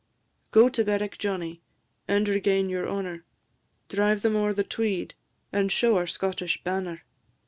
Go to Berwick, Johnnie, And regain your honour; Drive them ower the Tweed, And show our Scottish banner.